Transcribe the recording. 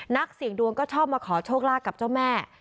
นักเสี่ยงดวงก็ชอบมาขอโชคลาภกับเจ้าแม่